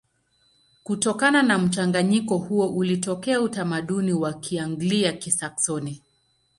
Kutokana na mchanganyiko huo ulitokea utamaduni wa Kianglia-Kisaksoni.